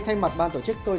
thay mặt ban tổ chức tôi